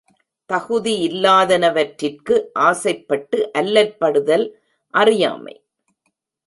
தகுதியில்லாதன்வற்றிற்கு ஆசைப்பட்டு அல்லல்படுதல் அறியாமை.